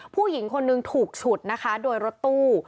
ผู้หญิงคนนึงถูกฉุดนะคะโดยรถตู้